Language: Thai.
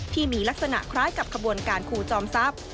ที่มีลักษณะคล้ายกับขบวนการครูจอมทรัพย์